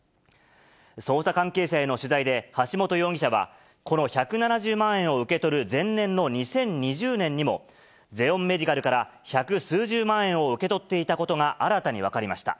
捜査関係者への取材で、橋本容疑者は、この１７０万円を受け取る前年の２０２０年にも、ゼオンメディカルから百数十万円を受け取っていたことが新たに分かりました。